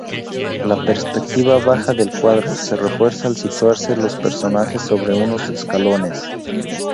La perspectiva baja del cuadro se refuerza al situarse los personajes sobre unos escalones.